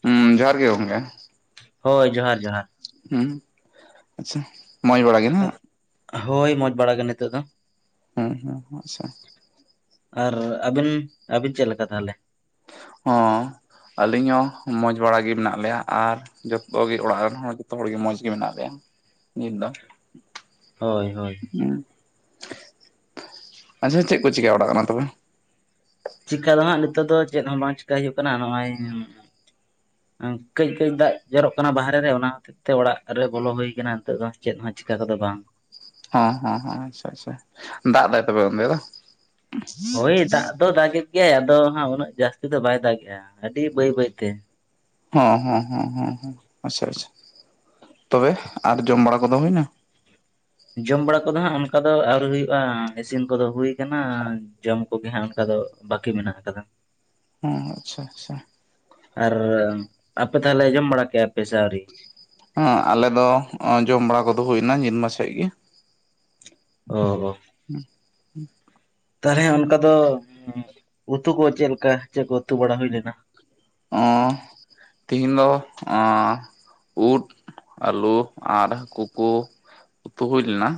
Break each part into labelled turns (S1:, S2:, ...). S1: ᱦᱩᱸ ᱡᱚᱦᱟᱨ ᱜᱮ
S2: ᱦᱳᱭ ᱡᱚᱦᱟᱨ ᱡᱚᱦᱟᱨ
S1: ᱦᱮᱸ ᱟᱪᱪᱷᱟ ᱢᱚᱸᱡᱽ ᱵᱟᱲᱟ ᱜᱮ
S2: ᱦᱳᱭ ᱢᱚᱸᱡᱽ ᱵᱟᱲᱟᱜ ᱱᱤᱛᱚᱜ ᱫᱚ᱾
S1: ᱦᱮᱸ ᱦᱩᱸ ᱟᱪᱪᱷᱟ
S2: ᱟᱨ ᱟᱹᱵᱤᱱ ᱟᱹᱵᱤᱱ ᱪᱮᱫ ᱞᱮᱠᱟ ᱛᱟᱦᱚᱞᱮ?
S1: ᱦᱚᱸ ᱟᱹᱞᱤᱧ ᱦᱚᱸ ᱢᱚᱡᱽ ᱵᱟᱲᱟ ᱜᱮ ᱢᱮᱱᱟᱜ ᱞᱮᱭᱟ ᱟᱨ ᱡᱚᱛᱚᱜᱮ ᱚᱲᱟᱜ ᱨᱮᱱ ᱦᱚᱲ ᱡᱚᱛᱚ ᱦᱚᱲᱜᱮ ᱢᱚᱡᱽ ᱜᱮ ᱢᱮᱱᱟᱜ ᱞᱮᱭᱟ ᱱᱤᱛ ᱫᱚ᱾
S2: ᱦᱳᱭ ᱦᱳᱭ
S1: ᱦᱩ ᱟᱪᱪᱷᱟ ᱪᱮᱫ ᱠᱚ ᱪᱤᱠᱟᱹ ᱚᱲᱟᱜ ᱠᱟᱱᱟ ᱛᱚᱵᱮ?
S2: ᱪᱤᱠᱟ ᱫᱚ ᱦᱟᱸᱜ ᱱᱤᱛᱚᱜ ᱫᱚ ᱪᱮᱫ ᱦᱚᱸ ᱵᱟᱝ ᱪᱤᱠᱟᱹᱭ ᱦᱩᱭᱩᱜ ᱠᱟᱱᱟ ᱱᱚᱜᱼᱚᱭ ᱠᱟᱹᱡᱠᱡ ᱫᱟᱜ ᱡᱚᱨᱚᱜ ᱠᱟᱱᱟ ᱵᱟᱦᱨᱮ ᱨᱮ ᱚᱱᱟ ᱪ ᱛᱮ ᱚᱲᱟᱜ ᱨᱮ ᱵᱚᱞᱚ ᱦᱩᱭ ᱟᱠᱟᱱᱟ ᱱᱤᱛᱚᱜ ᱫᱚ ᱪᱮᱫ ᱦᱚᱸ ᱪᱤᱠᱟ ᱠᱚᱫᱚ ᱵᱟᱝ᱾
S1: ᱦᱚ ᱦᱚ ᱟᱪᱪᱷᱟ ᱟᱪᱪᱷᱟ ᱫᱟᱜ ᱮ ᱫᱟᱭ ᱛᱚᱵᱮ ᱚᱱᱛᱮ ᱫᱚ?
S2: ᱦᱳᱭ ᱫᱟᱜ ᱫᱚ ᱫᱟᱜᱮᱫ ᱜᱮᱭᱟᱭ ᱟᱫᱚ ᱦᱟᱸᱜ ᱩᱱᱟᱹᱜ ᱡᱟᱹᱥᱛᱤ ᱫᱚ ᱵᱟᱭ ᱫᱟᱜ ᱮᱼᱟ ᱟᱹᱰᱤ ᱵᱟᱹᱭ ᱵᱟᱹᱭᱛᱮ
S1: ᱦᱮᱸ ᱦᱮᱸ ᱟᱪᱪᱷᱟ ᱟᱪᱪᱷᱟ ᱛᱚᱵᱮ ᱟᱨ ᱡᱚᱢ ᱵᱟᱲᱟ ᱠᱚᱫᱚ ᱦᱩᱭᱮᱱᱟ᱾
S2: ᱡᱚᱢ ᱵᱟᱲᱟ ᱠᱚᱫᱚ ᱦᱟᱸᱜ ᱚᱱᱠᱟ ᱫᱚ ᱟᱹᱣᱨᱤ ᱦᱩᱭᱩᱜᱼᱟ, ᱤᱥᱤᱱ ᱠᱚᱫᱚ ᱦᱩᱭ ᱟᱠᱟᱱᱟ᱾ ᱡᱚᱢ ᱠᱚᱜᱮ ᱦᱟᱸᱜ ᱚᱱᱠᱟ ᱫᱚ ᱵᱟᱹᱠᱤ ᱢᱮᱱᱟᱜ ᱟᱠᱟᱫᱟ᱾
S1: ᱦᱮᱸ ᱟᱪᱪᱷᱟ ᱟᱪᱪᱷᱟ
S2: ᱟᱨ ᱟᱯᱮ ᱛᱟᱦᱚᱞᱮ ᱡᱚᱢ ᱵᱟᱲᱟ ᱠᱮᱜᱭᱟ ᱯᱮ ᱥᱮ ᱟᱹᱣᱨᱤ?
S1: ᱦᱮᱸ ᱟᱞᱮ ᱫᱚ ᱡᱚᱢ ᱵᱟᱲᱟ ᱠᱚᱫᱚ ᱦᱩᱭᱱᱟ ᱧᱤᱫᱢᱟ ᱥᱮᱫ ᱜᱮ
S2: ᱚ ᱚ ᱛᱟᱦᱚᱞᱮ ᱚᱱᱠᱟ ᱫᱚ ᱩᱛᱩ ᱠᱚ ᱪᱮᱫ ᱞᱮᱠᱟ ᱪᱮᱫ ᱠᱚ ᱩᱛᱩ ᱵᱟᱲᱟ ᱦᱩᱭ ᱞᱮᱱᱟ?
S1: ᱛᱮᱦᱤᱧ ᱫᱚ ᱩᱫ ᱟᱹᱞᱩ ᱟᱨ ᱦᱟᱹᱠᱩ ᱠᱩ ᱩᱛᱩ ᱦᱩᱭ ᱞᱮᱱᱟ᱾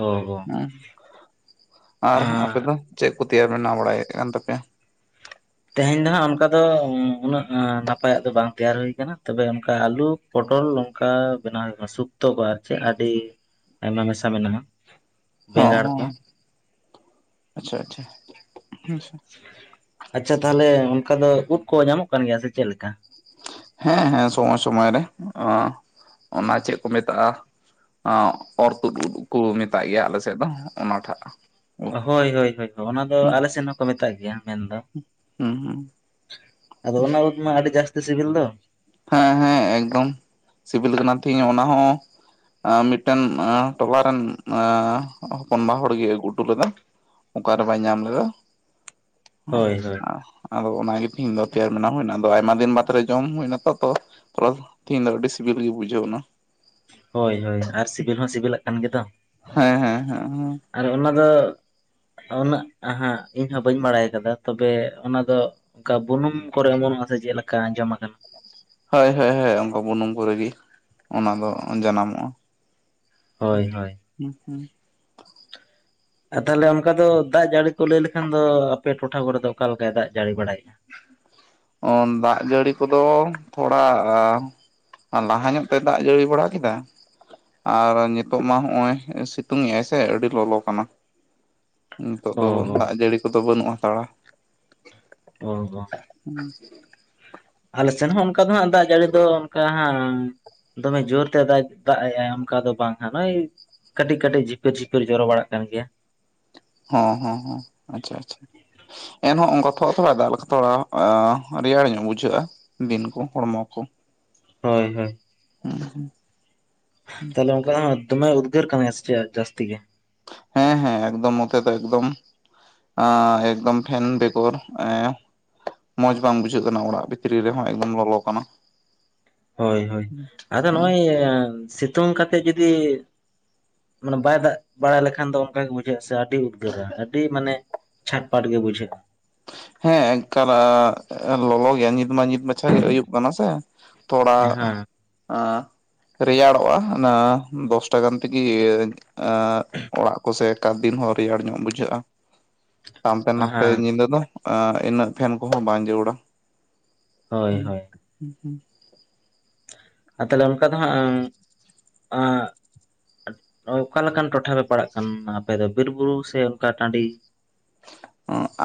S2: ᱚ
S1: ᱦᱮᱸ ᱟᱨ ᱟᱯᱮ ᱫᱚ ᱪᱮᱫ ᱠᱚ ᱛᱮᱭᱟᱨ ᱵᱮᱱᱟᱣ ᱵᱟᱲᱟᱭᱮᱫ ᱠᱟᱱ ᱛᱟᱯᱮᱭᱟ?
S2: ᱛᱮᱦᱮᱧ ᱫᱚᱦᱟᱸᱜ ᱚᱱᱠᱟ ᱫᱚ ᱩᱱᱟᱹᱜ ᱱᱟᱯᱟᱭᱟᱜ ᱫᱚ ᱵᱟᱝ ᱛᱮᱭᱟᱨ ᱦᱩ ᱟᱠᱟᱱᱟ, ᱛᱚᱵᱮ ᱚᱱᱠᱟ ᱟᱞᱩ ᱯᱚᱴᱚᱞ ᱱᱚᱝᱠᱟ ᱵᱮᱱᱟᱣ ᱥᱩᱠᱛᱚ ᱠᱚ ᱪᱮᱫ ᱟᱹᱰᱤ ᱟᱭᱢᱟ ᱢᱮᱥᱟ ᱢᱮᱱᱟᱜᱼᱟ᱾
S1: ᱦᱮ
S2: ᱵᱮᱸᱜᱟᱲ ᱠᱚ
S1: ᱟᱪᱪᱷᱟ ᱟᱪᱪᱷᱟ ᱦᱮᱸ
S2: ᱟᱪᱪᱷᱟ ᱛᱟᱦᱚᱞᱮ ᱚᱱᱠᱟ ᱫᱚ ᱩᱫ ᱠᱚ ᱧᱟᱢᱚᱜ ᱠᱟᱱ ᱜᱮᱭᱟ ᱥᱮ ᱪᱮᱫᱮᱠᱟ?
S1: ᱦᱮᱸ ᱦᱮᱸ ᱥᱚᱢᱚᱭ ᱥᱚᱢᱚᱭ ᱨᱮ ᱚᱱᱟ ᱪᱮᱫ ᱠᱚ ᱢᱮᱛᱟᱜᱼᱟ? ᱚᱨ ᱛᱩᱫ ᱠᱚ ᱢᱮᱛᱟᱜ ᱜᱮᱭᱟ ᱟᱞᱮ ᱥᱮᱫ ᱫᱚ ᱚᱱᱟᱴᱟᱜ᱾ ᱩᱫ
S2: ᱦᱳᱭ ᱦᱳᱭ ᱚᱱᱟ ᱫᱚ
S1: ᱦᱩᱸ
S2: ᱟᱞᱮᱥᱮᱫ ᱦᱚᱸᱠᱚ ᱢᱮᱛᱟᱜ ᱜᱮᱭᱟ ᱢᱮᱱᱫᱚ᱾
S1: ᱦᱩᱸ ᱦᱩᱸ
S2: ᱟᱫᱚ ᱚᱱᱟ ᱢᱟ ᱟᱹᱰᱤ ᱡᱟᱹᱥᱛᱤ ᱥᱤᱵᱤᱞ ᱫᱚ?
S1: ᱦᱮᱸ ᱦᱮᱸ ᱮᱠᱫᱚᱢ ᱥᱤᱵᱤᱞ ᱠᱟᱱᱟ ᱛᱤᱧ ᱚᱱᱟ ᱦᱚᱸ ᱢᱤᱫᱴᱮᱱ ᱴᱚᱞᱟᱨᱮᱱ ᱦᱚᱯᱚᱱᱵᱟ ᱦᱚᱲᱜᱭ ᱟᱹᱜᱩ ᱦᱚᱴᱚ ᱞᱮᱫᱟ᱾ ᱚᱠᱟᱨᱮ ᱵᱟᱭ ᱧᱟᱢ ᱞᱮᱫᱟ?
S2: ᱦᱳᱭ ᱦᱳᱭ
S1: ᱦᱮ ᱟᱫᱚ ᱚᱱᱟᱜᱮ ᱛᱤᱦᱤᱧ ᱫᱚ ᱛᱮᱭᱟᱨ ᱵᱤᱱᱟ ᱦᱩᱭᱱᱟ ᱟᱫᱚ ᱟᱭᱢᱟ ᱫᱤᱱ ᱵᱟᱫᱽ ᱨᱮ ᱡᱚᱢ ᱦᱩᱭᱱᱟᱛᱚ ᱛ ᱛᱮᱦᱤᱧ ᱫᱚ ᱟᱹᱰᱤ ᱥᱤᱵᱤᱞ ᱜᱮ ᱵᱩᱡᱷᱟᱹᱣ ᱮᱱᱟ
S2: ᱦᱳᱭ ᱦᱳᱭ ᱟᱨ ᱥᱤᱵᱤᱞ ᱦᱚᱸ ᱥᱤᱵᱤᱞᱟᱜ ᱠᱟᱱ ᱜᱮ ᱫᱚ
S1: ᱦᱮᱸ ᱦᱮᱸ ᱦᱮᱸ ᱦᱮᱸ
S2: ᱟᱨ ᱚᱱᱟ ᱫᱚ ᱩᱱᱟᱹᱜ ᱟᱦᱟᱸᱜ ᱤᱧ ᱦᱚᱸ ᱵᱟᱹᱧ ᱵᱟᱲᱟᱭ ᱠᱟᱫᱟ ᱛᱚᱵᱮ ᱚᱱᱟ ᱫᱚ ᱚᱱᱠᱟ ᱵᱩᱱᱩᱢ ᱠᱚᱨᱮ ᱮᱢᱚᱱᱚᱜᱼᱟ ᱥᱮ ᱪᱮᱫ ᱞᱮᱠᱟ ᱟᱸᱡᱚᱢ ᱟᱠᱟᱱᱟ᱾
S1: ᱦᱟᱹᱭ ᱦᱟᱹᱭ ᱦᱮ ᱚᱱᱠᱟ ᱵᱩᱱᱩᱢ ᱠᱚᱨᱮᱜᱮ ᱚᱱᱟ ᱫᱚ ᱡᱟᱱᱟᱢᱚᱜᱼᱟ᱾
S2: ᱦᱚᱭ ᱦᱚᱭ
S1: ᱦᱩᱸ ᱦᱩᱸ
S2: ᱟᱨ ᱛᱟᱦᱞᱮ ᱚᱱᱠᱟ ᱫᱚ ᱫᱟᱜ ᱡᱟᱹᱲᱤ ᱠᱚ ᱞᱟᱹᱭ ᱞᱮᱠᱷᱟᱱ ᱫᱚ ᱟᱯᱮ ᱴᱚᱴᱷᱟ ᱠᱚᱨᱮ ᱫᱚ ᱚᱠᱟ ᱞᱮᱠᱟᱭ ᱫᱟᱜ ᱡᱟᱹᱲᱤ ᱵᱟᱲᱟᱭᱮᱫᱼᱟ?
S1: ᱚ ᱫᱟᱜ ᱡᱟᱹᱲᱤ ᱠᱚᱫᱚ ᱛᱷᱚᱲᱟ ᱟᱨ ᱞᱟᱦᱟ ᱧᱚᱜ ᱛᱮ ᱫᱟᱜ ᱡᱟᱹᱲᱤ ᱵᱟᱲᱟ ᱠᱮᱫᱟ ᱟᱨ ᱱᱤᱛᱚᱜ ᱢᱟ ᱦᱚᱸᱜᱼᱚᱭ ᱥᱤᱛᱩᱝᱮᱜᱼᱟᱭ ᱥᱮ ᱟᱹᱰᱤ ᱞᱚᱞᱚ ᱠᱟᱱᱟ ᱱᱤᱛᱚᱜ
S2: ᱚ
S1: ᱫᱚ
S2: ᱦᱚᱸ
S1: ᱫᱟᱜ ᱡᱟᱹᱲᱤ ᱠᱚᱫᱚ ᱵᱟᱹᱱᱩᱜ ᱦᱟᱛᱟᱲᱟ᱾
S2: ᱚᱲᱜᱚ
S1: [inaudible]
S2: ᱟᱞᱮ ᱥᱮᱱ ᱦᱚᱸ ᱚᱱᱠᱟ ᱫᱚ ᱦᱟᱸᱜ ᱫᱟᱜ ᱡᱟᱹᱲᱤ ᱫᱚ ᱚᱱᱠᱟ ᱦᱮᱸ ᱫᱚᱢᱮ ᱡᱚᱨ ᱛᱮ ᱫᱟᱜ ᱮᱜ ᱟᱭ ᱚᱱᱠᱟ ᱫᱚ ᱵᱟᱝ ᱵᱷᱟᱹᱭ ᱠᱟᱹᱴᱤᱡ ᱠᱟᱹᱴᱤᱡ ᱡᱷᱤᱯᱤᱨ ᱡᱷᱤᱯᱤᱨ ᱡᱚᱨᱚ ᱵᱟᱲᱟᱜ ᱠᱟᱱ ᱜᱤᱭᱟ᱾
S1: ᱦᱟᱸ ᱦᱟᱸ ᱦᱟᱸ ᱟᱪᱷᱟ ᱟᱪᱷᱟ ᱮᱱᱦᱚᱸ ᱚᱱᱠᱟ ᱛᱷᱚᱲᱟ ᱛᱷᱚᱲᱟᱭ ᱫᱟᱜ ᱞᱮᱠᱷᱟᱱ ᱛᱷᱚᱲᱟ ᱨᱮᱭᱟᱲ ᱧᱚᱜ ᱵᱩᱡᱷᱟᱹᱜᱼᱟ ᱫᱤᱱ ᱠᱚ ᱦᱚᱲᱢᱚ ᱠᱚ
S2: ᱦᱚᱭ ᱦᱚᱭ
S1: ᱩᱸ ᱦᱩᱸ
S2: ᱛᱟᱦᱞᱮ ᱚᱱᱠᱟ ᱫᱚᱢᱮ ᱩᱫᱽᱜᱟᱹᱨ ᱠᱟᱱᱟ ᱪᱮ ᱡᱟᱹᱥᱛᱤ ᱜᱮ
S1: ᱦᱮᱸ ᱦᱮᱸ ᱮᱠᱫᱚᱢ ᱢᱚᱛᱮ ᱫᱚ ᱮᱠᱫᱚᱢ ᱟᱸ ᱮᱠᱫᱚᱢ ᱯᱷᱮᱱ ᱵᱮᱜᱨ ᱮᱸ ᱢᱚᱸᱡᱽ ᱵᱟᱝ ᱵᱩᱡᱷᱟᱹᱜ ᱠᱟᱱᱟ ᱚᱲᱟᱜ ᱵᱷᱤᱛᱨᱤ ᱨᱮᱦᱚᱸ ᱮᱠᱫᱚᱢ ᱞᱚᱞᱚ ᱠᱟᱱᱟ᱾
S2: ᱦᱚᱭ ᱦᱚᱭ ᱟᱫᱚ
S1: ᱦᱩᱸ
S2: ᱱᱚᱜᱼᱚᱭ ᱥᱤᱛ ᱥᱤᱛᱩᱝ ᱠᱟᱛᱮᱫ ᱡᱩᱫᱤ ᱢᱟᱱᱮ ᱵᱟᱭ ᱫᱟᱜ ᱵᱟᱲᱟᱭ ᱞᱮᱠᱷᱟᱱ ᱫᱚ ᱚᱱᱠᱟ ᱜᱤ ᱵᱩᱡᱷᱟᱹᱜᱼᱟ ᱥᱮ ᱟᱨ ᱟᱹᱰᱤ ᱩᱫᱽᱜᱟᱹᱨᱟ ᱟᱹᱰᱤ ᱢᱟᱱᱮ ᱪᱷᱟᱴ ᱯᱟᱴ ᱜᱮ ᱵᱩᱡᱷᱟᱹᱜᱼᱟ
S1: ᱦᱮᱸ ᱮᱠᱟᱞ ᱞᱚᱞᱚ ᱜᱮᱭᱟ ᱱᱤᱛ ᱢᱟ ᱱᱤᱛ ᱢᱟᱪᱷᱟ ᱜᱮ ᱟᱭᱩᱵ ᱠᱟᱱᱟ ᱥᱮ᱾
S2: ᱦᱮᱸ
S1: ᱛᱚᱲᱟᱜ-ᱟ ᱨᱮᱭᱟᱲᱚᱜᱼᱟ ᱚᱱᱟ ᱫᱚᱥᱴᱟ ᱜᱟᱱ ᱛᱮᱜᱮ ᱚᱲᱟᱜ ᱠᱚᱥᱮᱜ ᱮᱠᱟᱛ ᱫᱤᱱ ᱦᱚᱸ ᱨᱮᱭᱟᱲ ᱧᱚᱜ ᱵᱩᱡᱷᱟᱹᱜ-ᱟ᱾ ᱛᱟᱢᱛᱮ ᱱᱟᱯᱮ
S2: ᱦᱮᱸ
S1: ᱧᱤᱫᱟᱹ ᱫᱚ ᱤᱱᱟᱹᱜ ᱯᱷᱮᱱ ᱠᱚᱦᱚᱸ ᱵᱟᱝ ᱡᱟᱹᱨᱩᱲᱟ
S2: ᱦᱳᱭ
S1: ᱦᱩᱸ
S2: ᱦᱳᱭ
S1: ᱦᱩᱸᱻ ᱦᱩᱸ
S2: ᱟᱨ ᱛᱟᱦᱞᱮ ᱚᱱᱠᱟ ᱫᱚ ᱦᱟᱸᱜ ᱟᱸ ᱚᱠᱟᱞᱮᱠᱟᱱ ᱴᱚᱴᱷᱟ ᱯᱮ ᱯᱟᱲᱟᱜ ᱠᱟᱱᱟ ᱟᱯᱮ ᱫᱚ ᱵᱤᱨ ᱵᱩᱨᱩ ᱥᱮ ᱚᱱᱠᱟ ᱴᱟᱺᱰᱤ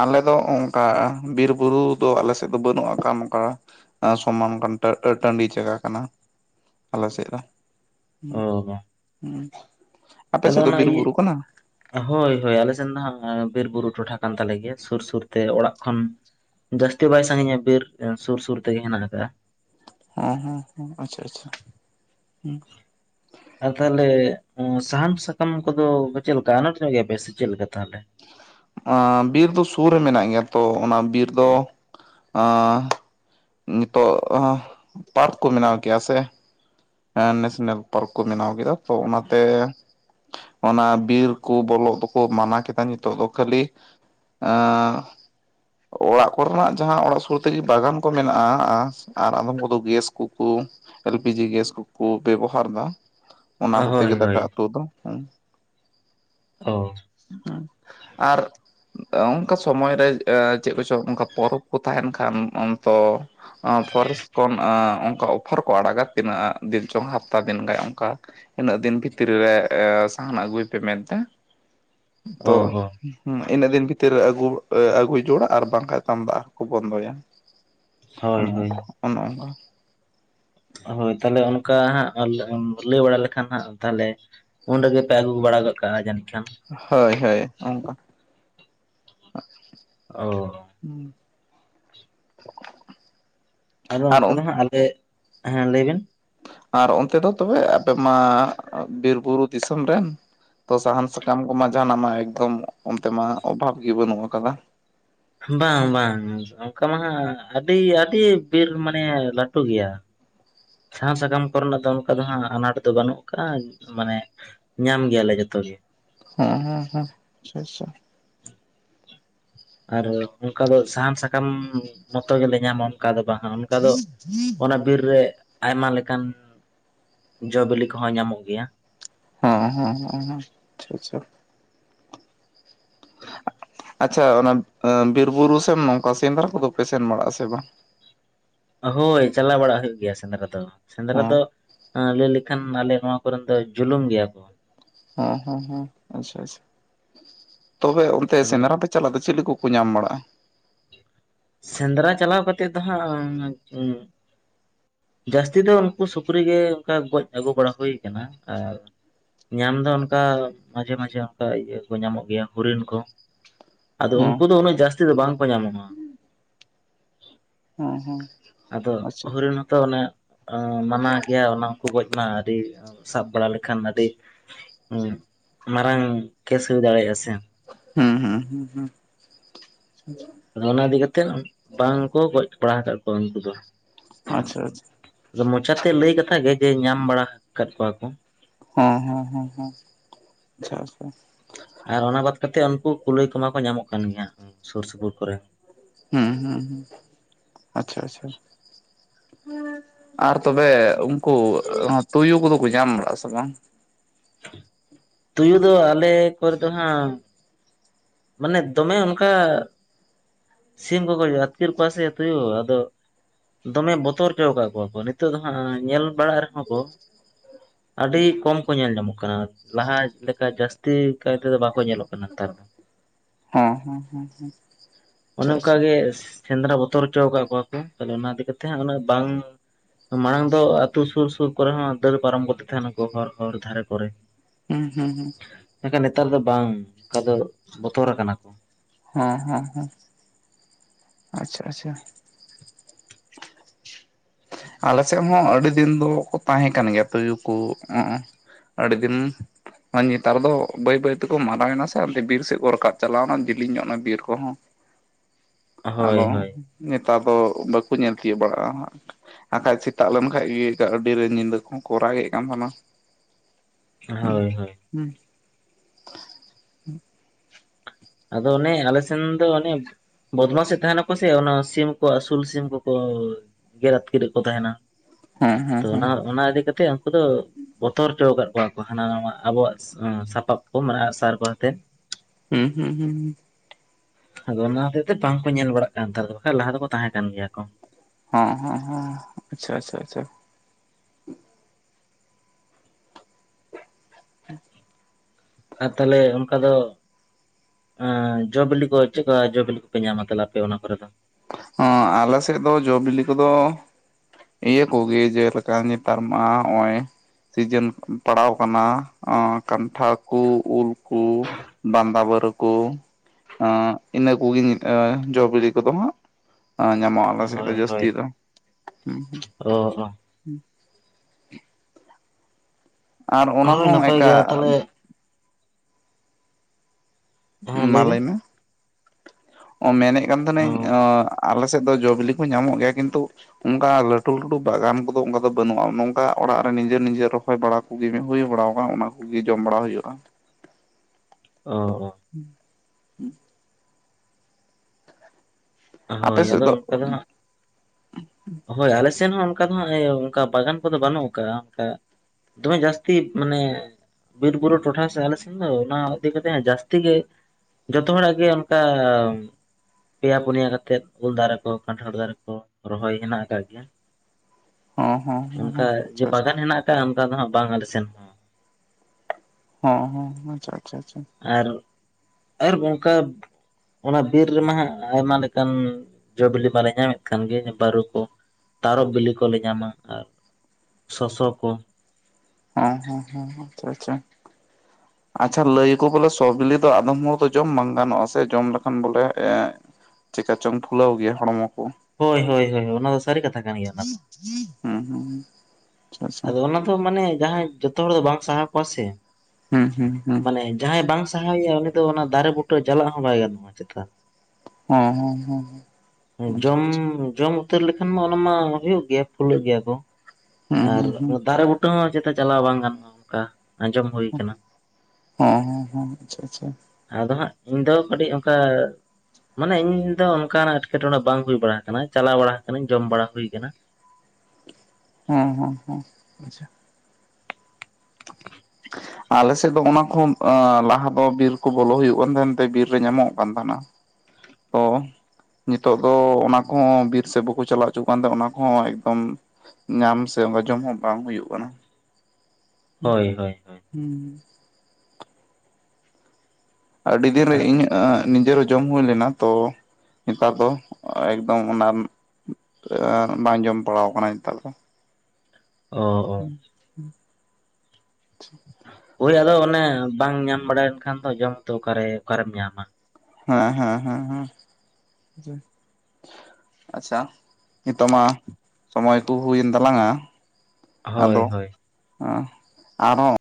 S1: ᱟᱞᱮ ᱫᱚ ᱚᱱᱠᱟ ᱵᱤᱨ ᱵᱩᱨᱩ ᱫᱚ ᱟᱞᱮ ᱥᱮᱫ ᱫᱚ ᱵᱟᱹᱱᱩᱜᱼᱟᱠᱟ ᱱᱚᱠᱟ ᱥᱚᱢᱟᱱ [unintelligible] ᱴᱟᱺᱰᱤ ᱡᱟᱜᱟ ᱠᱟᱱᱟ ᱟᱞᱮ ᱥᱮᱫ ᱫᱚ᱾
S2: ᱚ
S1: ᱩᱸᱻᱩᱸᱻ ᱟᱯᱮ
S2: ᱛᱟᱦᱚᱞᱮ
S1: ᱥᱮᱫ ᱫᱚ
S2: ᱚᱱᱟ
S1: ᱵᱤᱨ
S2: ᱤᱭᱟᱹ
S1: ᱵᱩᱨᱩ ᱠᱟᱱᱟ?
S2: ᱦᱳᱭ ᱦᱳᱭ ᱟᱞᱮᱥᱮᱱ ᱫᱚ ᱦᱟᱜ ᱵᱤᱨ ᱵᱩᱨᱩ ᱴᱚᱴᱷᱟ ᱠᱟᱱ ᱛᱟᱞᱮ ᱜᱮᱭᱟ ᱥᱩᱨ ᱥᱩᱨᱛᱮ ᱚᱲᱟᱜ ᱠᱷᱚᱱ ᱡᱟᱹᱥᱛᱤ ᱵᱟᱭ ᱥᱟᱺᱜᱤᱧᱟ ᱵᱤᱨ ᱥᱩᱨ ᱥᱩᱨ ᱛᱮᱜᱮ ᱦᱮᱱᱟᱜ ᱟᱠᱟᱜᱼᱟ᱾
S1: ᱟ ᱦᱟ ᱟᱪᱪᱷᱟ ᱟᱪᱪᱷᱟ
S2: [inaudible] ᱟᱨ ᱛᱟᱦᱮᱞᱮ ᱥᱟᱦᱟᱱ ᱥᱟᱠᱟᱢ ᱠᱚᱫᱚ ᱪᱮᱫ ᱞᱮᱠᱟ ᱟᱱᱟᱴ ᱧᱚᱜ ᱜᱮᱭᱟ ᱵᱮᱥ ᱪᱮᱫᱞᱮᱠᱟ ᱛᱟᱦᱚᱞᱮ
S1: ᱵᱤᱨ ᱫᱚ ᱥᱩᱨ ᱨᱮ ᱢᱮᱱᱟᱜ ᱜᱮᱭᱟ ᱛᱚ ᱚᱱᱟ ᱵᱤᱨ ᱫᱚ ᱟᱸ ᱱᱤᱛᱳᱜ ᱯᱟᱨᱠ ᱠᱚ ᱵᱮᱱᱟᱣ ᱠᱮᱭᱟ ᱥᱮ ᱱᱮᱥᱱᱮᱞ ᱯᱟᱨᱠ ᱠᱚ ᱵᱮᱱᱟᱣ ᱠᱮᱫᱟ ᱛᱚ ᱚᱱᱟᱛᱮ ᱚᱱᱟ ᱵᱤᱨ ᱠᱚ ᱵᱚᱞᱚᱜ ᱫᱚᱠᱚ ᱢᱟᱱᱟ ᱠᱮᱫᱟ ᱱᱤᱛᱚᱜ ᱫᱚ ᱠᱷᱟᱹᱞᱤ ᱟᱻ ᱚᱲᱟᱜ ᱠᱚᱨᱮᱱᱟᱜ ᱡᱟᱦᱟᱸ ᱚᱲᱟᱜ ᱥᱩᱨ ᱛᱮᱜᱮ ᱵᱟᱜᱟᱱ ᱠᱚ ᱢᱮᱱᱟᱜᱼᱟ, ᱟᱨ ᱟᱫᱚᱢ ᱠᱚᱫᱚ ᱜᱮᱥ ᱠᱚᱠᱩ ᱮᱞ ᱯᱤ ᱡᱤ ᱜᱮᱥ ᱠᱚᱠᱚ ᱵᱮᱵᱚᱦᱟᱨ ᱮᱫᱟ ᱚᱱᱟ ᱠᱚᱛᱮ
S2: ᱦᱳᱭ
S1: ᱜᱮ ᱫᱟᱠᱟ
S2: ᱦᱳᱭ
S1: ᱩᱛᱩ ᱫᱚ᱾
S2: ᱚᱸ᱾
S1: ᱦᱮᱸ ᱟᱨ ᱚᱱᱠᱟ ᱥᱚᱢᱚᱭ ᱨᱮ ᱪᱮᱫ ᱠᱚᱪᱚᱝ ᱚᱱᱠᱟ ᱯᱚᱨᱚᱵᱽ ᱠᱚ ᱛᱟᱦᱮᱱ ᱠᱷᱟᱱ ᱚᱱᱛᱚ ᱯᱷᱚᱨᱮᱥᱴ ᱠᱷᱚᱱ ᱚᱱᱠᱟ ᱚᱯᱷᱟᱨ ᱠᱚ ᱟᱲᱟᱜᱟ ᱛᱤᱱᱟᱹᱜ ᱫᱤᱱ ᱪᱚᱝ ᱦᱟᱯᱛᱟ ᱫᱤᱱ ᱜᱟᱱᱡ ᱚᱱᱠᱟ ᱤᱱᱟᱹᱜ ᱫᱤᱱ ᱵᱷᱤᱛᱨᱤ ᱨᱮ ᱥᱟᱦᱟᱱ ᱟᱹᱜᱩᱭ ᱯᱮ ᱢᱮᱱᱛᱮ᱾
S2: ᱚ
S1: ᱛᱚ
S2: ᱚ
S1: ᱤᱱᱟᱹᱜ ᱫᱤᱱ ᱵᱷᱤᱛᱤᱨ ᱨᱮᱜᱩ ᱟᱹᱜᱩ ᱡᱚᱲᱲᱟ ᱟᱨ ᱵᱟᱝᱠᱷᱟᱱ ᱛᱩᱢᱫᱟᱜ ᱠᱚ ᱵᱚᱱᱫᱚᱭᱟ᱾
S2: ᱦᱳᱭ
S1: ᱚᱱᱮ
S2: ᱦᱳᱭ
S1: ᱚᱱᱠᱟ᱾
S2: ᱦᱳᱭ ᱛᱟᱦᱞᱮ ᱚᱱᱠᱟ ᱦᱟᱸᱜ ᱞᱟᱹᱭ ᱵᱟᱲᱟ ᱞᱮᱠᱷᱟᱱ ᱦᱟᱸᱜ ᱛᱟᱦᱚᱞᱮ ᱚᱰᱮ ᱜᱮᱯᱮ ᱟᱹᱜᱩ ᱵᱟᱲᱟ ᱠᱚᱫ ᱠᱟᱜᱼᱟ ᱡᱟᱹᱱᱤᱡ ᱠᱷᱟᱱ?
S1: ᱦᱳᱭ ᱦᱳᱭ ᱚᱱᱠᱟ᱾
S2: ᱚᱻ
S1: ᱩᱸ
S2: ᱟᱫᱚ ᱚᱱᱠᱟ ᱫᱚ ᱦᱟᱸᱜ ᱟᱞᱮ, ᱦᱮᱸ ᱞᱟᱹᱭᱵᱤᱱ
S1: ᱟᱨ ᱚᱱᱛᱮ ᱫᱚ ᱛᱚᱵᱮ ᱟᱯᱮ ᱢᱟ ᱵᱤᱨ ᱵᱩᱨᱩ ᱫᱤᱥᱚᱢ ᱨᱮᱱ, ᱛᱚ ᱥᱟᱦᱟᱱ ᱥᱟᱠᱟᱢ ᱠᱚᱢᱟ ᱡᱟᱦᱟᱱᱟᱜ ᱢᱟ ᱮᱠᱫᱚᱢ ᱚᱱᱛᱮ ᱢᱟ ᱚᱵᱷᱟᱵ ᱜᱮ ᱵᱟᱹᱱᱩᱜ ᱟᱠᱟᱫᱟ᱾
S2: ᱵᱟᱝ-ᱵᱟᱝ ᱚᱱᱠᱟ ᱢᱟ ᱦᱟᱸᱜ ᱟᱹᱰᱤ-ᱟᱹᱰᱤ ᱵᱤᱨ ᱢᱟᱱᱮ ᱞᱟᱹᱴᱩ ᱜᱮᱭᱟ᱾ ᱥᱟᱦᱟᱱ ᱥᱟᱠᱟᱢ ᱠᱚᱨᱮᱱᱟᱜ ᱫᱚ ᱚᱱᱠᱟ ᱫᱚ ᱦᱟᱸᱜ ᱟᱱᱟᱴ ᱫᱚ ᱵᱟᱹᱱᱩᱜ ᱠᱟᱜ-ᱟ ᱢᱟᱱᱮ ᱧᱟᱢ ᱜᱮᱭᱟᱞᱮ ᱡᱚᱛᱚ ᱜᱮ᱾
S1: ᱦᱮᱸ-ᱦᱮᱸ ᱟᱪᱪᱷᱟ ᱪᱷᱟ᱾
S2: ᱟᱨ ᱚᱱᱠᱟ ᱫᱚ ᱥᱟᱦᱟᱱ ᱥᱟᱠᱟᱢ ᱢᱚᱛᱚᱞᱮ ᱧᱟᱢᱟ᱾ ᱚᱱᱠᱟ ᱫᱚ ᱵᱟᱝᱟ, ᱚᱱᱠᱟ ᱫᱚ ᱚᱱᱟ ᱵᱤᱨ ᱨᱮ ᱟᱭᱢᱟ ᱞᱮᱠᱟᱱ ᱡᱚ ᱵᱤᱞᱤ ᱠᱚᱦᱚᱸ ᱧᱟᱢᱚᱜ ᱜᱮᱭᱟ᱾
S1: ᱦᱚᱸᱻᱦᱚᱸᱻᱦᱚᱸᱻ ᱟᱪᱪᱷᱟ ᱪᱷᱟ᱾ ᱟᱪᱪᱷᱟ ᱚᱱᱟ ᱵᱤᱨ ᱵᱩᱨᱩ ᱥᱮᱢ ᱱᱚᱝᱠᱟ ᱥᱮᱸᱫᱽᱨᱟ ᱠᱚᱫᱚᱯᱮ ᱥᱮᱱ ᱵᱟᱲᱟᱜ ᱟᱥᱮ ᱵᱟᱝ?
S2: ᱦᱳᱭ ᱪᱟᱞᱟᱣ ᱵᱟᱲᱟᱜ ᱦᱩᱭᱩᱜ ᱜᱮᱭᱟ ᱥᱮᱸᱫᱽᱨᱟ ᱫᱚ, ᱥᱮᱸᱫᱽᱨᱟ ᱫᱚ
S1: ᱦᱮᱸ
S2: ᱞᱟᱹᱭ ᱞᱮᱠᱷᱟᱱ ᱟᱞᱮ ᱱᱚᱣᱟ ᱠᱚᱨᱮᱱ ᱫᱚ ᱡᱩᱞᱩᱢ ᱜᱮᱭᱟ ᱠᱚ᱾
S1: ᱦᱚᱸᱻ ᱦᱚᱸᱻ ᱦᱚᱸᱻ ᱟᱪᱪᱷᱟ ᱟᱪᱪᱷᱟ ᱛᱚᱵᱮ ᱚᱱᱛᱮ
S2: ᱟᱫᱚ
S1: ᱥᱮᱸᱫᱽᱨᱟ ᱯᱮ ᱪᱟᱞᱟᱜ ᱫᱚ ᱪᱤᱞᱤ ᱠᱚᱠᱚ ᱧᱟᱢ ᱵᱟᱲᱟᱜᱼᱟ?
S2: ᱥᱮᱸᱫᱽᱨᱟ ᱪᱟᱞᱟᱣ ᱠᱟᱛᱮᱜ ᱫᱚ ᱦᱟᱜ ᱩᱸ ᱡᱟᱹᱥᱛᱤ ᱫᱚ ᱩᱱᱠᱩ ᱥᱩᱠᱨᱤ ᱜᱮ ᱚᱱᱠᱟ ᱜᱚᱡ ᱟᱹᱜᱩ ᱵᱟᱲᱟ ᱦᱩᱭᱩ ᱟᱠᱟᱱᱟ᱾ ᱟᱨ ᱧᱟᱢ ᱫᱚ ᱚᱱᱠᱟ ᱢᱟᱡᱷᱮ-ᱢᱟᱡᱷᱮ ᱚᱱᱠᱟ ᱤᱭᱟᱹ ᱠᱚ ᱧᱟᱢᱚᱜ ᱜᱮᱭᱟ ᱦᱚᱨᱤᱱ ᱠᱚ᱾ ᱟᱫᱚ
S1: ᱦᱮᱸ
S2: ᱩᱱᱠᱩ ᱫᱚ ᱩᱱᱟᱹᱜ ᱡᱟᱹᱥᱛᱤ ᱫᱚ ᱵᱟᱝᱠᱚ ᱧᱟᱢᱚᱜᱼᱟ᱾
S1: ᱦᱮᱸ ᱦᱮᱸ
S2: ᱟᱫᱚ
S1: ᱟᱪᱪᱷᱟ
S2: ᱦᱚᱨᱤᱱ ᱦᱚᱸᱛᱚ ᱚᱱᱮ ᱢᱟᱱᱟ ᱜᱮᱭᱟ ᱚᱱᱟ ᱠᱚ ᱜᱚᱡ ᱱᱟ ᱟᱹᱰᱤ ᱥᱟᱵ ᱵᱟᱲᱟ ᱮᱠᱷᱟᱱ ᱟᱹᱰᱤ ᱢᱟᱨᱟᱝ ᱠᱮᱥ ᱦᱩᱭ ᱫᱟᱲᱮᱭᱟᱜᱼᱟ ᱥᱮ᱾
S1: ᱦᱩᱸᱻ ᱦᱩᱸᱻ ᱦᱩᱸᱻ ᱦᱩᱸ᱾
S2: ᱚᱱᱟ ᱤᱫᱤ ᱠᱟᱛᱮᱜ ᱵᱟᱝ ᱠᱚ ᱜᱚᱡ ᱵᱟᱲᱟ ᱠᱟᱜ ᱠᱚᱣᱟ ᱩᱱᱠᱩ ᱫᱚ᱾
S1: ᱟᱪᱪᱷᱟ ᱟᱪᱪᱷᱟ
S2: ᱟᱫᱚ ᱢᱚᱪᱟᱛᱮ ᱞᱟᱹᱭ ᱠᱟᱛᱷᱟ ᱜᱮ ᱡᱮ ᱧᱟᱢ ᱵᱟᱲᱟ ᱠᱟᱫ ᱠᱚᱣᱟ ᱠᱚ
S1: ᱦᱚᱸ ᱦᱚᱸ ᱦᱚᱸ ᱦᱚᱸ ᱟᱪᱪᱷᱟ ᱟᱪᱪᱷᱟ
S2: ᱟᱨ ᱚᱱᱟ ᱵᱟᱫ ᱠᱟᱛᱮᱫ ᱩᱱᱠᱩ ᱠᱩᱞᱟᱹᱭ ᱠᱚᱢᱟ ᱠᱚ ᱧᱟᱢᱚᱜ ᱠᱟᱱ ᱜᱮᱭᱟ ᱥᱩᱨ ᱥᱩᱯᱩᱨ ᱠᱚᱨᱮ᱾
S1: ᱦᱩᱸ ᱦᱩᱸ ᱦᱩᱸ ᱟᱪᱪᱷᱟ ᱟᱪᱪᱷᱟ᱾ ᱟᱨ ᱛᱚᱵᱮ ᱩᱱᱠᱩ ᱛᱩᱭᱩ ᱠᱚᱫᱚ ᱠᱚ ᱧᱟᱢ ᱵᱟᱲᱟᱜᱼᱟ ᱥᱮ ᱵᱟᱝ?
S2: ᱛᱩᱭᱩ ᱫᱚ ᱟᱞᱮ ᱠᱚᱨᱮ ᱫᱚ ᱦᱟᱸᱜ ᱢᱟᱱᱮ ᱫᱚᱢᱮ ᱚᱱᱠᱟ ᱥᱤᱢ ᱠᱚᱠᱚ ᱟᱹᱛᱠᱤᱨ ᱠᱚᱣᱟ ᱥᱮ ᱛᱩᱭᱩ ᱟᱫ ᱫᱚᱢᱮ ᱵᱚᱛᱚᱨ ᱪᱚ ᱠᱟᱜ ᱠᱚᱣᱟ ᱠᱚ ᱱᱤᱛᱚᱜ ᱫᱚ ᱦᱟᱸᱜ ᱧᱮᱞ ᱵᱟᱲᱟᱜ ᱨᱮᱦᱚᱸ ᱠᱚ ᱟᱹᱰᱤ ᱠᱚᱢ ᱠᱚ ᱧᱮᱞ ᱧᱟᱢᱚᱜ ᱠᱟᱱᱟ, ᱞᱟᱦᱟ ᱞᱮᱠᱟ ᱡᱟᱹᱥᱛᱤ ᱠᱟᱭ ᱛᱮᱫᱚ ᱵᱟᱠᱚ ᱧᱮᱞᱚᱜ ᱠᱟᱱᱟ ᱱᱮᱛᱟᱨ ᱫᱚ᱾
S1: ᱦᱚᱸᱻᱦᱚᱸᱻᱦᱚᱸᱻᱦᱚᱸ᱾
S2: ᱚᱱᱮ ᱚᱱᱠᱟᱜᱮ ᱥᱮᱸᱫᱽᱨᱟ ᱵᱚᱛᱚᱨ ᱦᱚᱪᱚ ᱟᱠᱟᱟᱜ ᱠᱚᱣᱟ ᱠᱚ, ᱛᱟᱦᱞᱮ ᱚᱱᱟ ᱤᱫᱤ ᱠᱟᱛᱮᱜ ᱩᱱᱟᱹᱜ ᱵᱟᱝ ᱢᱟᱲᱟᱝ ᱫᱚ ᱟᱹᱛᱩ ᱥᱩᱨ ᱥᱩᱨ ᱠᱚᱨᱮ ᱦᱚᱸ ᱫᱟᱹᱲ ᱯᱟᱨᱚᱢ ᱠᱚᱛᱮ ᱛᱟᱦᱮᱱᱟᱠᱚ ᱦᱚᱨ ᱦᱚᱨ ᱫᱷᱟᱨᱮ ᱠᱚᱨᱮ
S1: ᱦᱩᱸ ᱦᱩᱸ ᱦᱩᱸ
S2: ᱢᱮᱠᱷᱟᱱ ᱱᱮᱛᱟᱨ ᱫᱚ ᱵᱟᱝ ᱚᱱᱠᱟ ᱫᱚ ᱵᱚᱛᱚᱨᱟ ᱠᱟᱱᱟ ᱠᱚ
S1: ᱦᱚᱸ ᱦᱚᱸ ᱦᱚᱸ ᱟᱪᱪᱷᱟ ᱟᱪᱪᱷᱟ ᱟᱞᱮ ᱥᱮᱫ ᱦᱚᱸ ᱟᱹᱰᱤ ᱫᱤᱱ ᱫᱚᱠᱚ ᱛᱟᱦᱮᱸ ᱠᱟᱱ ᱜᱮᱭᱟ ᱛᱩᱭᱩ ᱠᱚ, ᱟᱹᱰᱤ ᱫᱤᱱ ᱱᱮᱛᱟᱨ ᱫᱚ ᱵᱟᱹᱭ ᱵᱟᱹᱭ ᱛᱮᱠᱚ ᱢᱟᱨᱟᱝᱮᱱᱟ ᱥᱮ ᱚᱱᱛᱮ ᱵᱤᱨ ᱥᱮᱫ ᱠᱚ ᱨᱟᱠᱟᱵ ᱪᱟᱞᱟᱣᱱᱟ ᱡᱮᱞᱤᱧ ᱧᱚᱜ ᱮᱱᱟ ᱵᱤᱨ ᱠᱚᱦᱚᱸ
S2: ᱦᱳᱭ
S1: ᱟᱫᱚ
S2: ᱦᱳᱭ
S1: ᱱᱮᱛᱟᱨ ᱫᱚ ᱵᱟᱠᱚ ᱧᱮᱞ ᱛᱤᱭᱳᱜ ᱵᱟᱲᱟᱜᱼᱟ ᱵᱟᱠᱷᱟᱡ ᱥᱮᱛᱟᱜ ᱞᱮᱱᱠᱷᱟᱡ ᱜᱮ ᱜᱟᱹᱰᱤᱨᱮ ᱧᱤᱫᱟᱹ ᱠᱚᱦᱚᱸ ᱠᱚᱨᱟᱜᱮᱫ ᱠᱟᱱ ᱛᱟᱦᱮᱱᱟ
S2: ᱦᱳᱭ ᱦᱳᱭ
S1: ᱦᱩᱸ
S2: ᱟᱫᱚ ᱚᱱᱮ ᱟᱞᱮ ᱥᱮᱱ ᱫᱚ ᱚᱱᱮ ᱵᱚᱫᱢᱟ ᱥᱮᱫ ᱛᱟᱦᱮᱱᱟᱠᱚ ᱥᱮ ᱚᱱᱟ ᱥᱤᱢ ᱠᱚ ᱟᱹᱥᱩᱞ ᱥᱤᱢ ᱠᱚᱠᱚ ᱜᱮᱨ ᱟᱛᱠᱤᱨᱮᱫ ᱠᱚ ᱛᱟᱦᱮᱱᱟ
S1: ᱦᱮᱸ ᱦᱮᱸ
S2: ᱛᱚ
S1: ᱦᱮᱸ
S2: ᱚᱱᱟ ᱚᱱᱟ ᱤᱫᱤ ᱠᱟᱛᱮ ᱩᱝᱠᱩ ᱫᱚ ᱵᱚᱛᱚᱨ ᱦᱚᱪᱚᱣᱟᱠᱟᱫ ᱠᱚᱣᱟ ᱠᱚ ᱦᱟᱱᱟ ᱟᱵᱚᱣᱟᱜ ᱥᱟᱯᱟᱵ ᱠᱚ ᱢᱟᱱᱮ ᱟᱜ ᱥᱟᱨ ᱠᱚ ᱟᱛᱮᱫ
S1: ᱦᱩᱸ ᱦᱩᱸ ᱦᱩᱸᱻ
S2: ᱟᱫᱚ ᱚᱱᱟ ᱦᱚᱛᱮᱡ ᱛᱮ ᱵᱟᱝᱠᱚ ᱧᱮᱞ ᱵᱟᱲᱟᱜ ᱠᱟᱱ ᱛᱟᱦᱮᱸ ᱵᱟᱠᱷᱟᱡ ᱞᱟᱦᱟ ᱫᱚᱠᱚ ᱛᱟᱦᱮᱸ ᱠᱟᱱ ᱜᱮᱭᱟ ᱠᱚ
S1: ᱦᱚᱸ ᱦᱚᱸ ᱦᱚᱸ ᱟᱪᱪᱷᱟ ᱟᱪᱪᱷᱟ ᱟᱪᱪᱷᱟ ᱦᱮᱸ
S2: ᱟᱨ ᱛᱟᱞᱦᱮ ᱚᱱᱠᱟ ᱫᱚ ᱟᱸ ᱡᱚ ᱵᱤᱞᱤ ᱠᱚ ᱪᱮᱫ ᱠᱟ ᱡᱚ ᱵᱤᱞᱤ ᱠᱚᱯᱮ ᱧᱟᱢᱟ ᱛᱟᱞᱦᱮ ᱟᱯᱮ ᱚᱱᱟ ᱠᱚᱨᱮ ᱫᱚ
S1: ᱦᱚᱸ ᱟᱞᱮ ᱥᱮᱫ ᱫᱚ ᱡᱚᱼᱵᱤᱞᱤ ᱠᱚᱫᱚ ᱤᱭᱟᱹ ᱠᱚᱜᱮ ᱡᱮᱞᱮᱠᱟ ᱱᱮᱛᱟᱨ ᱢᱟ ᱦᱚᱸᱜᱼᱚᱭ ᱥᱤᱡᱮᱱ ᱯᱟᱲᱟᱣ ᱠᱟᱱᱟ ᱟ ᱠᱟᱱᱴᱷᱟᱲ ᱠᱩ ᱩᱞ ᱠᱩ ᱵᱟᱸᱫᱟ ᱵᱟᱹᱨᱩ ᱠᱚ ᱟ ᱤᱱᱟᱹ ᱠᱚᱜᱤ ᱡᱚ ᱵᱤᱞᱤ ᱠᱚᱫᱚ ᱦᱟᱸᱜ ᱟ ᱧᱟᱢᱚᱜᱼᱟ ᱟᱞᱮ ᱥᱮᱫ ᱫᱚ
S2: ᱦᱳᱭ ᱦᱳᱭ
S1: ᱡᱟᱹᱥᱛᱤ ᱫᱚ ᱦᱩ ᱦᱩ
S2: ᱚ, ᱚ
S1: ᱟᱨ
S2: ᱚ
S1: ᱚᱱᱟ
S2: ᱦᱳᱭ
S1: ᱦᱚᱸ
S2: ᱱᱟᱯᱟᱭ
S1: ᱮᱠᱟ
S2: ᱜᱮ ᱛᱟᱦᱚᱞᱮ ᱦᱮᱸ
S1: ᱢᱟ
S2: ᱵᱮᱱ
S1: ᱞᱟᱹᱭ ᱢᱮ, ᱚ ᱢᱮᱱᱮᱫ ᱠᱟᱱ
S2: ᱚ
S1: ᱛᱟᱦᱮᱱᱟᱹᱧ ᱟᱸᱻ ᱟᱞᱮᱥᱮᱫ ᱫᱚ ᱡᱚᱼᱵᱤᱞᱤ ᱠᱚ ᱧᱟᱢᱚᱜ ᱜᱮᱭᱟ ᱠᱤᱱᱛᱩ ᱚᱝᱠᱟ ᱞᱟᱹᱴᱩ ᱞᱟᱹᱴᱩ ᱵᱟᱜᱟᱱ ᱠᱚᱫᱚ ᱚᱝᱠᱟ ᱫᱚ ᱵᱟᱹᱱᱩᱜᱼᱟ ᱱᱚᱝᱠᱟ ᱚᱲᱟᱜ ᱨᱮ ᱱᱤᱡᱮᱨ ᱱᱤᱡᱮ ᱨᱚᱦᱚᱭ ᱵᱟᱲᱟ ᱩᱜᱮ ᱦᱩᱭ ᱵᱟᱲᱟ ᱟᱠᱟᱱ ᱚᱱᱟ ᱠᱚᱜᱮ ᱡᱚᱢ ᱵᱟᱲᱟ ᱦᱩᱭᱩᱜᱼᱟ
S2: ᱚ ᱚ
S1: ᱦᱩᱸ [unintelligible] ᱟᱯᱮ
S2: ᱦᱳᱭ
S1: ᱥᱮᱫ
S2: ᱟᱫᱚ ᱚᱱᱠᱟ ᱫᱚ ᱦᱟᱸᱜ ᱦᱳᱭ ᱟᱞᱮ ᱥᱮᱱ ᱦᱚᱸ ᱚᱱᱠᱟ ᱫᱚ ᱦᱟᱜ ᱚᱱᱠᱟ ᱵᱟᱜᱟᱱ ᱠᱚᱫᱚ ᱵᱟᱹᱱᱩᱜ ᱟᱠᱟᱜ-ᱟ ᱚᱝᱠᱟ ᱫᱚᱢᱮ ᱡᱟᱹᱥᱛᱤ ᱢᱟᱱᱮ ᱵᱤᱨᱵᱩᱨᱩ ᱴᱚᱴᱷᱟ ᱥᱮ ᱟᱞᱮ ᱥᱮᱱ ᱫᱚ ᱚᱱᱟ ᱤᱫᱤ ᱠᱟᱛᱮ ᱦᱟᱸᱜ ᱡᱟᱹᱥᱛᱤ ᱜᱮ ᱡᱚᱛᱚ ᱦᱚᱲᱟᱜ ᱜᱮ ᱚᱱᱠᱟ ᱯᱮᱭᱟ ᱯᱩᱱᱭᱟᱹ ᱠᱟᱛᱮᱫ ᱩᱞ ᱫᱟᱨᱮ ᱠᱚ ᱠᱟᱱᱴᱷᱟᱲ ᱫᱟᱨᱮ ᱠᱚ ᱨᱚᱦᱚᱭ ᱦᱮᱱᱟᱜ ᱟᱠᱟᱫ ᱜᱮᱭᱟ
S1: ᱦᱚᱸ ᱦᱚᱸ
S2: ᱚᱱᱠᱟ
S1: ᱦᱚᱸ
S2: ᱡᱮ
S1: ᱟᱪᱪᱷᱟ
S2: ᱵᱟᱜᱟᱱ ᱦᱮᱱᱟᱜ ᱠᱟᱜᱼᱟ ᱚᱱᱠᱟ ᱫᱚ ᱦᱟᱸᱜ ᱵᱟᱝ ᱟᱞᱮ ᱥᱮᱱ
S1: ᱦᱮᱸ ᱦᱮᱸ ᱟᱪᱪᱷᱟ ᱟᱪᱪᱷᱟ ᱟᱪᱷᱟ
S2: ᱟᱨ, ᱟᱨ ᱚᱝᱠᱟ ᱚᱱᱟ ᱵᱤᱨ ᱨᱮᱢᱟ ᱦᱟᱸᱜ ᱟᱭᱢᱟ ᱞᱮᱠᱟᱱ ᱡᱚᱵᱤᱞᱤ ᱢᱟᱞᱮ ᱧᱟᱢᱮᱫ ᱠᱟᱱ ᱜᱮ ᱵᱟᱹᱨᱩ ᱠᱚ ᱛᱟᱨᱚᱯ ᱵᱤᱞᱤ ᱠᱚᱞᱮ ᱧᱟᱢᱟ ᱟᱨ ᱥᱚᱥᱚ ᱠᱚ
S1: ᱦᱚᱸ ᱦᱚᱸ ᱦᱚᱸ ᱦᱚᱸ ᱟᱪᱪᱷᱟ ᱟᱪᱪᱷᱟ
S2: [inaudible]
S1: ᱟᱪᱷᱟ ᱞᱟᱹᱭᱟᱠᱚ ᱵᱚᱞᱮ ᱥᱚᱵ ᱵᱤᱞᱤ ᱫᱚ ᱟᱫᱚᱢ ᱦᱚᱲ ᱫᱚ ᱡᱚᱢ ᱵᱟᱝ ᱜᱟᱱᱚᱜᱼᱟ ᱥᱮ ᱡᱚᱢ ᱞᱮᱠᱷᱟᱱ ᱵᱚᱞᱮ ᱪᱮᱠᱟ ᱪᱚᱝ ᱯᱷᱩᱞᱟᱹᱣ ᱜᱮᱭᱟ ᱦᱚᱲᱢᱚ ᱠᱚ?
S2: ᱦᱳᱭ ᱦᱳᱭ ᱦᱳᱭ ᱚᱱᱟ ᱫᱚ ᱥᱟᱹᱨᱤ ᱠᱟᱛᱷᱟ ᱠᱟᱱ ᱜᱮᱭᱟ ᱚᱱᱟ ᱫᱚ᱾
S1: ᱦᱩᱸ ᱦᱩᱸ ᱟᱪᱪᱷᱟ ᱟᱪᱪᱷᱟ
S2: ᱟᱫᱚ ᱚᱱᱟ ᱫᱚ ᱢᱟᱱᱮ ᱡᱟᱦᱟᱸᱭ ᱡᱚᱛᱚ ᱦᱚᱲ ᱫᱚ ᱵᱟᱝ ᱥᱟᱦᱟᱣ ᱠᱚᱣᱟ ᱥᱮ
S1: ᱦᱩᱸ ᱦᱩᱸ ᱦᱩᱸ
S2: ᱢᱟᱱᱮ ᱡᱟᱦᱟᱸᱭ ᱵᱟᱝ ᱛᱟᱦᱮᱸᱭᱮᱭᱟ ᱩᱱᱤ ᱫᱚ ᱚᱱᱟ ᱫᱟᱨᱮ ᱵᱩᱴᱟᱹ ᱡᱟᱞᱟᱜ ᱦᱚᱸ ᱵᱟᱭ ᱜᱟᱱᱚᱜᱼᱟ ᱪᱮᱛᱟᱱ
S1: ᱦᱮᱸ ᱦᱮᱸ ᱦᱩᱸ
S2: ᱡᱚᱢ ᱡᱚᱢ ᱩᱛᱟᱹᱨ ᱞᱮᱠᱷᱟᱱ ᱢᱟ ᱚᱱᱟ ᱢᱟ ᱦᱩᱭᱩᱜ ᱜᱮᱭᱟ ᱯᱷᱩᱞᱟᱹᱜ ᱜᱮᱭᱟ ᱠᱚ᱾
S1: ᱦᱩᱸ
S2: ᱟᱨ
S1: ᱦᱩᱸ ᱦᱩᱸ
S2: ᱫᱟᱨᱮ ᱵᱩᱴᱟᱹ ᱦᱚᱸ ᱪᱛᱮ ᱪᱟᱞᱟᱣ ᱵᱟᱝ ᱜᱟᱱᱚᱜ ᱚᱱᱠᱟ, ᱟᱸᱡᱚᱢ ᱦᱩᱭ ᱠᱟᱱᱟ
S1: ᱦᱮᱸ ᱦᱮᱸ ᱦᱮᱸ ᱟᱪᱷᱟ ᱟᱪᱷᱟ
S2: ᱟᱫᱚ ᱦᱟᱸᱜ ᱤᱧ ᱫᱚ ᱠᱟᱹᱴᱤᱡ ᱚᱱᱠᱟ ᱢᱟᱱᱮ ᱤᱧ ᱫᱚ ᱚᱱᱠᱟᱱᱟᱜ ᱮᱴᱠᱮᱴᱚᱬᱮ ᱵᱟᱝ ᱦᱩᱭ ᱵᱟᱲᱟ ᱟᱠᱟᱱᱟ ᱪᱟᱞᱟᱣ ᱵᱟᱲᱟ ᱟᱠᱟᱱᱟᱹᱧ ᱡᱚᱢ ᱵᱟᱲᱟ ᱦᱩᱭ ᱠᱟᱱᱟ᱾
S1: ᱦᱩᱸ ᱦᱩᱸ ᱦᱩᱸ ᱟᱪᱷᱟ
S2: [inaudible]
S1: ᱟᱞᱮ ᱥᱮᱫ ᱫᱚ ᱚᱱᱟ ᱠᱚ ᱞᱟᱦᱟ ᱫᱚ ᱵᱤᱨ ᱠᱚ ᱵᱚᱞᱚ ᱦᱩᱭᱩᱜ ᱠᱟᱱ ᱛᱟᱦᱮᱸᱱ ᱛᱮ ᱵᱤᱨ ᱨᱮ ᱧᱟᱢᱚᱜ ᱠᱟᱱ ᱛᱟᱦᱮᱱᱟ
S2: [inaudible]
S1: ᱱᱤᱛᱚᱜ ᱫᱚ ᱚᱱᱟ ᱠᱚᱦᱚᱸ ᱵᱤᱨ ᱥᱮᱫ ᱵᱟᱠᱚ ᱪᱟᱞᱟᱣ ᱦᱚᱪᱚ ᱠᱟᱱ ᱛᱟᱦᱮᱸ ᱚᱱᱟ ᱠᱚᱦᱚᱸ ᱮᱠᱫᱚᱢ ᱧᱟᱢ ᱥᱮ ᱚᱱᱠᱟ ᱡᱚᱢ ᱦᱚᱸ ᱵᱟᱝ ᱦᱩᱭᱩᱜ ᱠᱟᱱᱟ᱾
S2: ᱦᱳᱭ ᱦᱳᱭ ᱦᱳᱭ
S1: ᱦᱩᱸ ᱟᱹᱰᱤ ᱫᱤᱱ ᱨᱮ ᱤᱧᱟᱹᱜ ᱮᱸ ᱱᱤᱡᱟᱹᱨ ᱦᱚᱸ ᱡᱚᱢ ᱦᱩᱭ ᱞᱮᱱᱟ ᱛᱚ ᱱᱮᱛᱟᱨ ᱫᱚ ᱮᱠᱫᱚᱢ ᱚᱱᱟ ᱵᱟᱝ ᱡᱚᱢ ᱵᱟᱲᱟᱟᱣ ᱠᱟᱱᱟ ᱱᱮᱛᱟᱨ ᱫᱚ
S2: ᱚ ᱚ ᱦᱳᱭ ᱟᱫᱚ ᱚᱱᱮ ᱵᱟᱝ ᱧᱟᱢ ᱵᱟᱲᱟᱭᱮᱱ ᱠᱷᱟᱱ ᱫᱚ ᱡᱚᱢ ᱛᱚ ᱚᱠᱟᱨᱮ ᱚᱠᱟᱨᱮᱢ ᱧᱟᱢᱟ
S1: ᱦᱮᱸ ᱦᱮᱸ ᱦᱮᱸ ᱦᱮᱸ ᱟᱪᱷᱟ ᱱᱤᱛᱚᱜ ᱢᱟ ᱥᱚᱢᱚᱭ ᱠᱚ ᱦᱩᱭᱮᱱ ᱛᱟᱞᱟᱝᱼᱟ
S2: ᱦᱳᱭ
S1: ᱟᱫᱚ
S2: ᱦᱳᱭ
S1: ᱮᱸ ᱟᱨᱦᱚᱸ